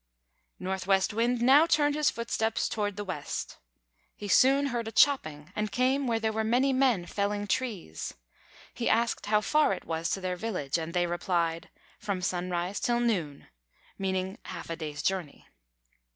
Northwest Wind now turned his footsteps toward the west. He soon heard a chopping, and came where there were many men felling trees. He asked how far it was to their village, and they replied: "From sunrise till noon," meaning half a day's journey.